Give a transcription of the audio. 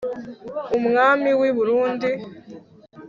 umwami w'i burundi :